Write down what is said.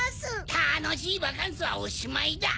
たのしいバカンスはおしまいだ！